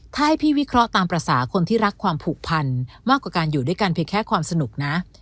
ถ้าให้พี่วิเคราะห์ตามภาษาคนที่รักความผูกพันมากกว่าการอยู่ด้วยกันเพียงแค่ความสนุกนะ